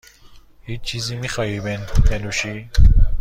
هیچ چیزی میخواهی بنوشی؟